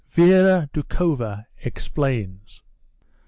VERA DOUKHOVA EXPLAINS.